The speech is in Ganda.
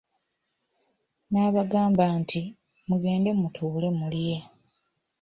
N'abagamba nti, mugende mutuule mulye.